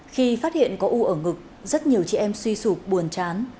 khi phát hiện có u ở ngực rất nhiều chị em suy sụp buồn chán